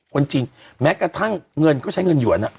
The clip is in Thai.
คนจริงแม้กระทั่งเงินเขาใช้เงินหยวน